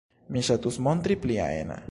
Mi ŝatus montri pliajn.